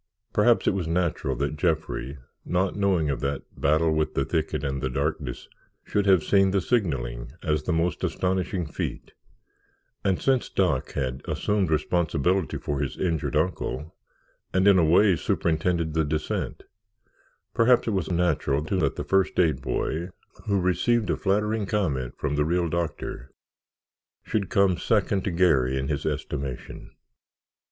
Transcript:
Perhaps it was natural that Jeffrey, not knowing of that battle with the thicket and the darkness should have seen the signalling as the most astonishing feat, and since Doc had assumed responsibility for his injured uncle and in a way superintended the descent, perhaps it was natural too that the first aid boy, who received a flattering comment from the real doctor, should come second to Garry in his estimation.